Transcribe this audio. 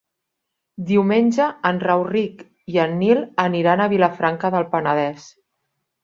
Diumenge en Rauric i en Nil aniran a Vilafranca del Penedès.